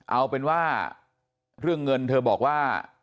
เอาเป็นว่าเรื่องเงินเธอบอกว่า